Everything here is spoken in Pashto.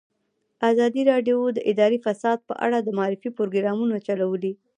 ازادي راډیو د اداري فساد په اړه د معارفې پروګرامونه چلولي.